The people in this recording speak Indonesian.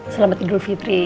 selamat idul fitri